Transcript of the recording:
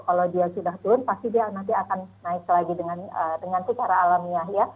kalau dia sudah turun pasti dia nanti akan naik lagi dengan secara alamiah ya